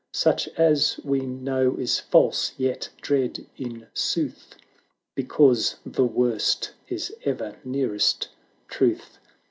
Such as we know is false, yet dread in sooth. Because the worst is ever nearest truth.